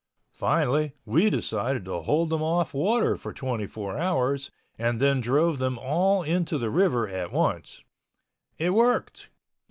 Finally we decided to hold them off water for twenty four hours, and then drove them all into the river at once. It worked.